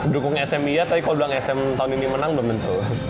dukung smi iya tapi kalau bilang sm tahun ini menang belum tentu